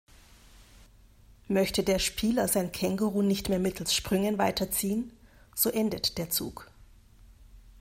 Möchte der Spieler sein Känguru nicht mehr mittels Sprüngen weiterziehen, so endet der Zug.